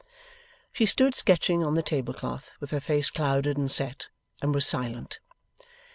She stood sketching on the table cloth, with her face clouded and set, and was silent.